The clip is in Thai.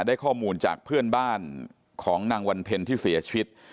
ได้ข้อมูลจากเพื่อนบ้านของนางวันเพ็ญที่เสียชีวิต